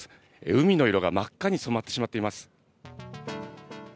海の色が真っ赤に染まってしまっています。